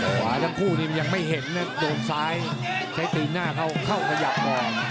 ขวาทั้งคู่นี่มันยังไม่เห็นนะโดนซ้ายใช้ตีนหน้าเข้าขยับก่อน